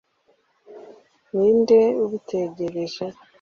ni nde ubitegereje?